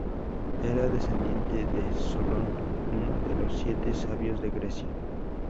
Era descendiente de Solón, uno de los Siete Sabios de Grecia.